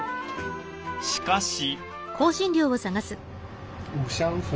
しかし。